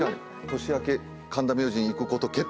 年明け神田明神行くこと決定！